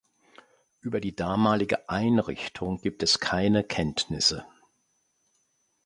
Über die damalige Einrichtung gibt es keine Kenntnisse.